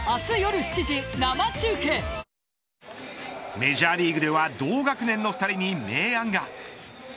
メジャーリーグでは同学年の２人に明暗が。